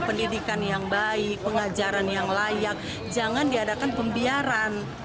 pendidikan yang baik pengajaran yang layak jangan diadakan pembiaran